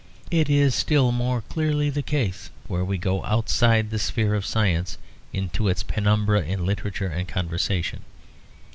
It is still more clearly the case when we go outside the sphere of science into its penumbra in literature and conversation.